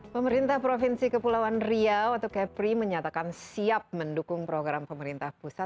pemerintah provinsi kepulauan riau atau kepri menyatakan siap mendukung program pemerintah pusat